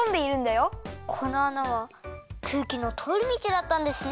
このあなはくうきのとおりみちだったんですね。